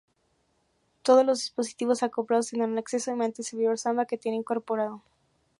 Todos los dispositivos acoplados tendrán acceso mediante el servidor Samba que tiene incorporado.